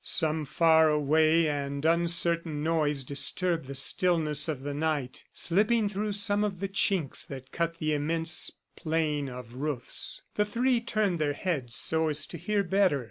Some far away and uncertain noise disturbed the stillness of the night, slipping through some of the chinks that cut the immense plain of roofs. The three turned their heads so as to hear better.